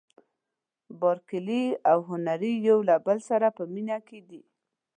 بارکلي او هنري یو له بل سره په مینه کې دي.